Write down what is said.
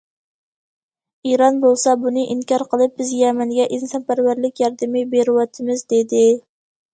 ئىران بولسا بۇنى ئىنكار قىلىپ، بىز يەمەنگە ئىنسانپەرۋەرلىك ياردىمى بېرىۋاتىمىز، دېدى.